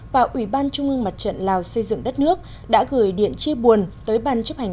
và ủy ban trung mương mặt trận lào xây dựng đất nước đã gửi điện chiêu buồn tới bàn chấp hành